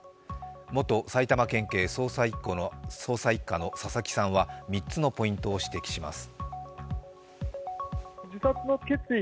元埼玉県警捜査一課の佐々木さんは３つのポイントを指摘します。